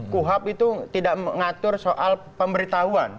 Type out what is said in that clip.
kuhap itu tidak mengatur soal pemberitahuan